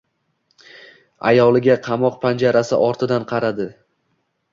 Ayoliga qamoq panjarasi ortidan qaradi.